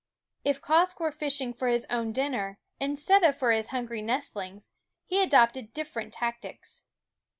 If Quoskh were fishing for his own din ner, instead of for his hungry nestlings, he adopted different tactics.